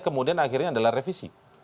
kemudian akhirnya adalah revisi